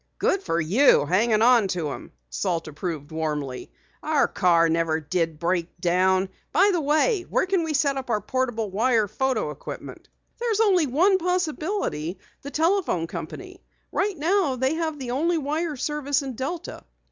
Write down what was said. "Good for you, hanging onto them!" Salt approved warmly. "Our car never did break down. By the way, where can we set up our portable wire photo equipment?" "There's only one possibility. The telephone company. Right now they have the only wire service in Delta."